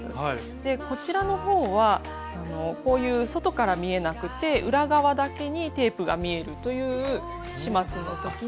こちらの方はこういう外から見えなくて裏側だけにテープが見えるという始末の時に。